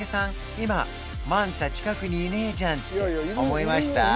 今「マンタ近くにいねえじゃん」って思いました？